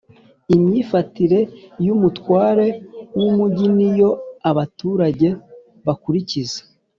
imyifatire y’umutware w’umugi, ni yo abaturage bakurikiza